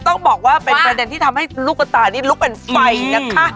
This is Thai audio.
ต้องบอกว่าเป็นประเด็นที่ทำให้ลูกกระตานี่ลุกเป็นไฟนะคะ